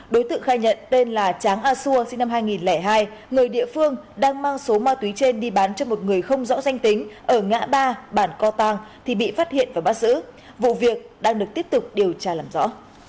đối tượng khai nhận tên là tráng a xua sinh năm hai nghìn hai người địa phương đang mang số ma túy trên đi bán cho một người không rõ danh tính ở ngã ba bản co tăng thì bị phát hiện và bắt giữ vụ việc đang được tiếp tục điều tra làm rõ